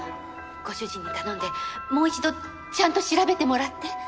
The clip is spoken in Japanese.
ご主人に頼んでもう一度ちゃんと調べてもらって。